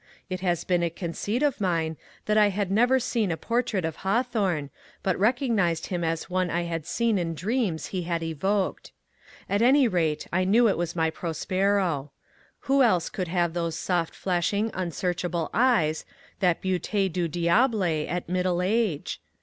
It has been a conceit RALPH WALDO EMERSON 136 of mine that I had never seen a portrait of Hawthorne, bat recognized him as one I had seen in dreams he had evoked. At any rate, I knew it was my Prospero. Who else oould have those soft flashing unsearchable eyes, that beautS du diable at middle age